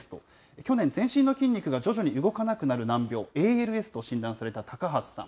去年、全身の筋肉が徐々に動かなくなる難病、ＡＬＳと診断された高橋さん。